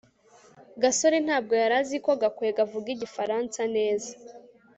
gasore ntabwo yari azi ko gakwego avuga igifaransa neza